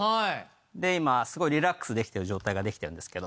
で今すごいリラックスできてる状態ができてるんですけど。